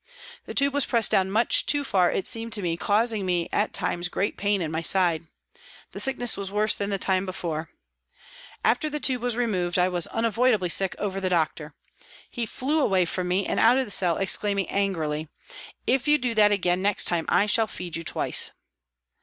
The tube was pressed down much too far, it seemed to me, causing me at times great pain in my side. The sickness was worse than the WALTON GAOL, LIVERPOOL 273 time before. As the tube was removed I was unavoidably sick over the doctor. He flew away from me and out of the cell, exclaiming angrily, " If you do that again next time I shall feed you twice."